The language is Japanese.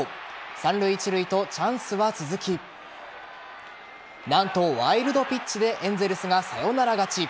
三塁・一塁とチャンスは続き何と、ワイルドピッチでエンゼルスがサヨナラ勝ち。